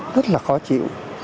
rất là khó chịu